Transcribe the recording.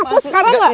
apus sekarang gak